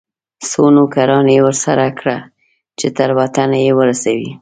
څو نوکران یې ورسره کړه چې تر وطنه یې ورسوي.